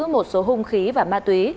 một số hung khí và ma túy